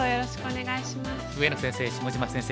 上野先生下島先生